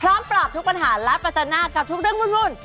พร้อมปรอบทุกปัญหาและปัจจันทร์กับทุกเรื่องวุ่น